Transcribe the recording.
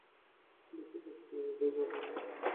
লোকে ডাকতে এলে যাবে না?